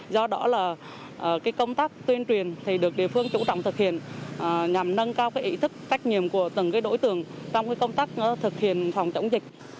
do đó là công tác tuyên truyền thì được địa phương chủ động thực hiện nhằm nâng cao ý thức trách nhiệm của từng đối tượng trong công tác thực hiện phòng chống dịch